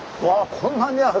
こんなにある。